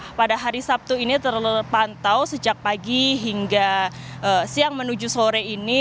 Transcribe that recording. dan juga pada hari sabtu ini terlalu pantau sejak pagi hingga siang menuju sore ini